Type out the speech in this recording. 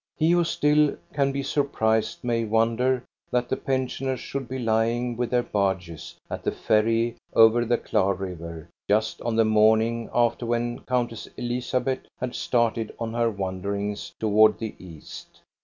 He who still can be surprised may wonder that the pensioners should be lying with their barges at the ferry over the Klar River just on the morning after when Countess Elizabeth had started on her wanderings towards the east.